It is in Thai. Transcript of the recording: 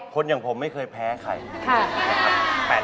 คนอย่างผมไม่เคยแพ้ใคร